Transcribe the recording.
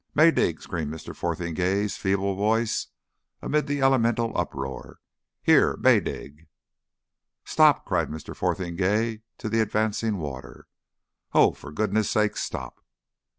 "Maydig!" screamed Mr. Fotheringay's feeble voice amid the elemental uproar. "Here! Maydig! "Stop!" cried Mr. Fotheringay to the advancing water. "Oh, for goodness' sake, stop!